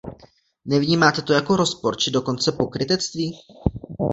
Nevnímáte to jako rozpor, či dokonce pokrytectví?